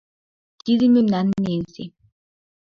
— Тиде мемнан Ненси.